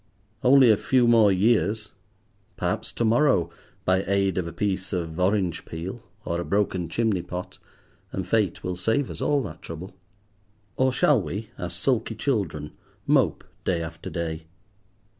Only a few more years—perhaps to morrow, by aid of a piece of orange peel or a broken chimney pot—and Fate will save us all that trouble. Or shall we, as sulky children, mope day after day?